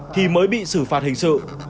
thì mới bị xử phạt hình sự